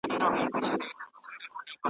اورېدونکی او لوستونکی باید لومړی پوه سي .